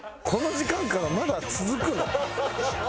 この時間からまだ続くの？